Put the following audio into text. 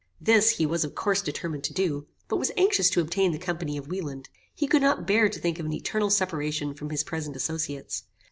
This he was of course determined to do, but was anxious to obtain the company of Wieland; he could not bear to think of an eternal separation from his present associates.